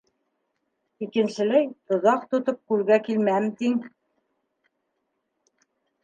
— Икенселәй тоҙаҡ тотоп күлгә килмәм, тиң!..